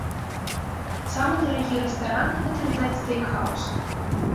Самы дарагі рэстаран гэта, відаць, стэйк-хаус.